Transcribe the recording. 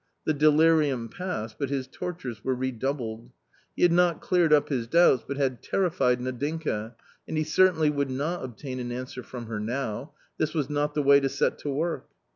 The delirium passed, but his tortures were redoubled. He had not cleared up his doubts, but had terrified Nadinka, and he certainly would not obtain an answer from her now ; this was not the way to set to work.